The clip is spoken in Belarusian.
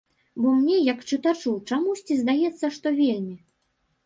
Бо мне, як чытачу, чамусьці здаецца, што вельмі.